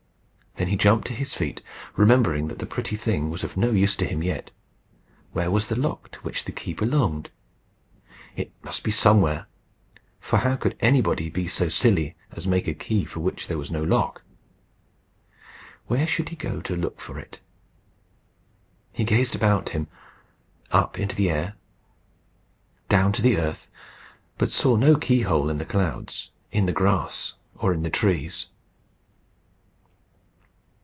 Then he jumped to his feet, remembering that the pretty thing was of no use to him yet. Where was the lock to which the key belonged? It must be somewhere, for how could anybody be so silly as make a key for which there was no lock? Where should he go to look for it? He gazed about him, up into the air, down to the earth, but saw no keyhole in the clouds, in the grass, or in the trees.